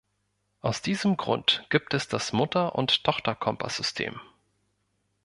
Aus diesem Grund gibt es das Mutter- und Tochterkompass-System.